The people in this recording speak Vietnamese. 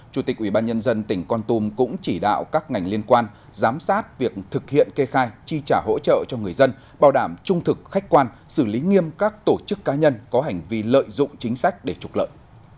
chủ tịch ubnd tỉnh con tum cũng chỉ đạo các ngành liên quan giám sát việc thực hiện kê khai chi trả hỗ trợ cho người dân bảo đảm trung thực khách quan xử lý nghiêm các tổ chức cá nhân có hành vi lợi dụng chính sách để trục lợi